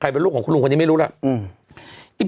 เป็นลูกของคุณลุงคนนี้ไม่รู้แล้ว